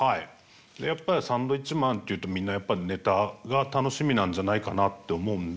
やっぱりサンドウィッチマンっていうとみんなやっぱりネタが楽しみなんじゃないかなって思うんで。